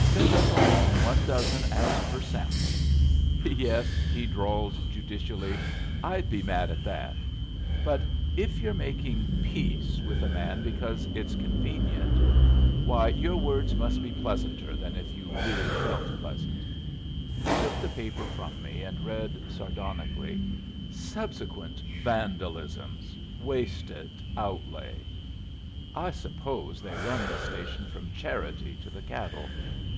'Send us along one dozen as per sample.' Honey's quaint! Yes," he drawled judicially, "I'd be mad at that. But if you're making peace with a man because it's convenient why, your words must be pleasanter than if you really felt pleasant." He took the paper from me, and read, sardonically: "'Subsequent vandalisms... wasted outlay.' I suppose they run this station from charity to the cattle.